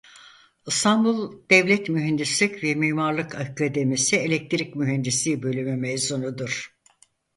İstanbul Devlet Mühendislik ve Mimarlık Akademisi Elektrik Mühendisliği Bölümü mezunudur.